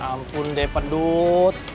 ampun deh pendut